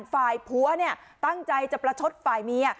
ฝ่ายผัวเนี่ยตั้งใจจะประชดฝ่ายเมียค่ะ